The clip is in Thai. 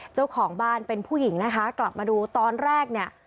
เจ้าของบ้านเป็นผู้หญิงนะคะกลับมาดูตอนแรกเนี่ย